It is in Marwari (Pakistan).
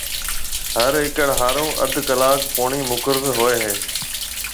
هر ايڪڙ هارون اڌ ڪلاڪ پوڻِي مقرر هوئي هيَ۔